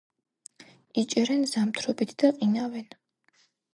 იჭერენ ზამთრობით და ყინავენ.